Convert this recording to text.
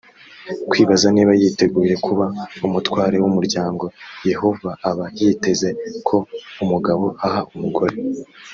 kwibaza niba yiteguye kuba umutware w umuryango yehova aba yiteze ko umugabo aha umugore